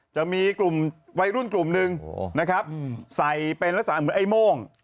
จะมีกลุ่มวัยรุ่นกลุ่มหนึ่งนะครับใส่เป็นลักษณะเหมือนไอ้โม่ง